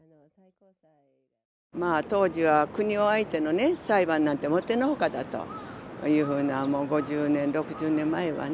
当時は国を相手の裁判なんてもってのほかだというふうな５０年６０年前はね